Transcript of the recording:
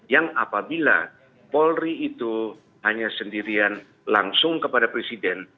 yang apabila polri itu hanya sendirian langsung kepada presiden